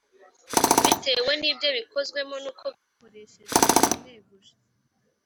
bitewe n ibyo bikozwemo n uko byakoreshejwe ndamweguje